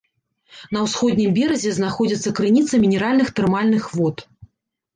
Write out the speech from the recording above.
На ўсходнім беразе знаходзіцца крыніца мінеральных тэрмальных вод.